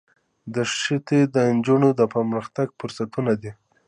دښتې د نجونو د پرمختګ فرصتونه دي.